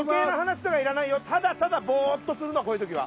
ただボーッとするのこういう時は。